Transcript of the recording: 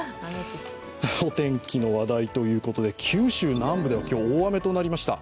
お天気の話題ということで九州南部では、今日、大雨となりました。